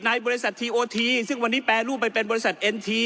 บริษัททีโอทีซึ่งวันนี้แปรรูปไปเป็นบริษัทเอ็นที